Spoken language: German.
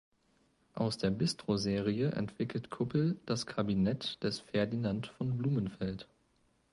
Aus der Bistro-Serie entwickelt Kuppel das 'Kabinett des Ferdinand von Blumenfeld'.